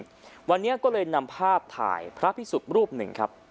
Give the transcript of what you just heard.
เป็นความจริงวันนี้ก็เลยนำภาพถ่ายพระพิสุทธิ์รูปหนึ่งครับ